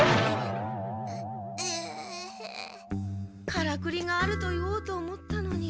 カラクリがあると言おうと思ったのに。